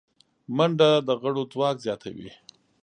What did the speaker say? منډه د غړو ځواک زیاتوي